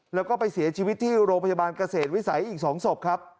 แล้วก็ไปเสียชีวิตที่โรงพยาบาลเกษตรวิสัยอีก๒ศพครับ